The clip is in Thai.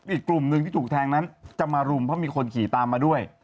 อีกกลุ่มหนึ่งที่ถูกแทงนั้นจะมารุมเพราะมีคนขี่ตามมาด้วย